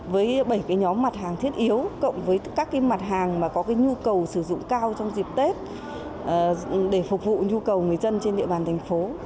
với bảy nhóm mặt hàng thiết yếu cộng với các mặt hàng mà có cái nhu cầu sử dụng cao trong dịp tết để phục vụ nhu cầu người dân trên địa bàn thành phố